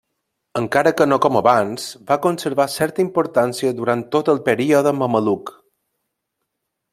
Encara que no com abans, va conservar certa importància durant tot el període mameluc.